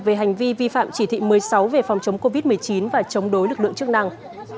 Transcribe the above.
về hành vi vi phạm chỉ thị một mươi sáu về phòng chống covid một mươi chín và chống đối lực lượng chức năng